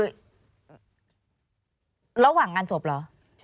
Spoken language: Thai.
ระหว่างงานศพเหรอ